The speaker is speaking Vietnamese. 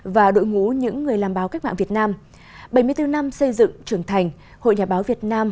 và đội ngũ những người làm báo cách mạng việt nam bảy mươi bốn năm xây dựng trưởng thành hội nhà báo việt nam